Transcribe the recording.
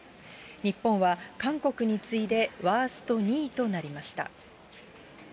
日本は韓国に次いでワースト２位となりました。